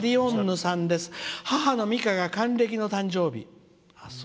母の、みかが還暦の誕生日」。